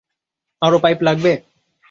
আরো পাইপ লাগবে?